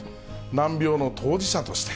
難病の当事者として。